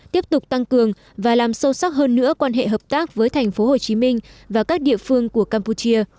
tiếp tục tăng cường và làm sâu sắc hơn nữa quan hệ hợp tác với thành phố hồ chí minh và các địa phương của campuchia